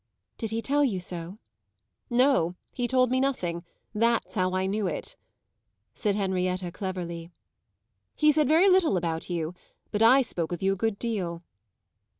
"Did he tell you so?" "No, he told me nothing; that's how I knew it," said Henrietta cleverly. "He said very little about you, but I spoke of you a good deal."